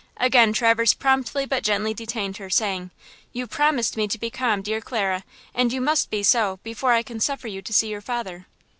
Again Traverse promptly but gently detained her, saying: "You promised me to be calm, dear Clara, and you must be so, before I can suffer you to see your father."